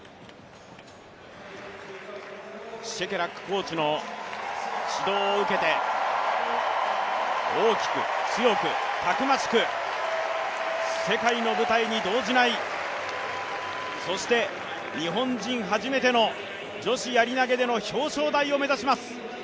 シェケラックコーチの指導を受けて大きく、強くたくましく、世界の舞台に動じない、そして日本人初めての女子やり投での表彰台を目指します。